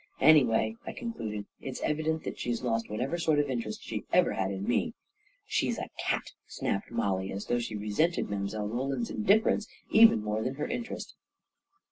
44 Anyway," I concluded, " it's evident that she's lost whatever sort of interest she ever had in me !" 44 She's a cat !" snapped Mollie, as though she resented Mile. Roland's indifference even more than her interest.